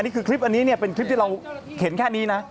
นี่คือคลิปอันนี้เนี่ยเป็นคลิปที่เราเห็นแค่นี้นะ